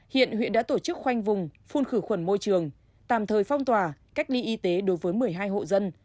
hiện huyện đã tổ chức khoanh vùng phun khử khuẩn môi trường tạm thời phong tỏa cách ly y tế đối với một mươi hai hộ dân